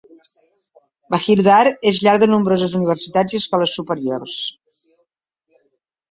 Bahir Dar és llar de nombroses universitats i escoles superiors.